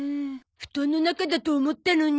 布団の中だと思ったのに。